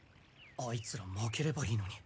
アイツら負ければいいのに。